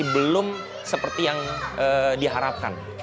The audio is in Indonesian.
belum seperti yang diharapkan